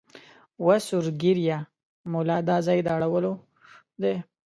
وه سور ږیریه مولا دا ځای د اړولو دی